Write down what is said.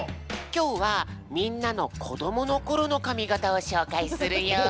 きょうはみんなのこどものころのかみがたをしょうかいするよ。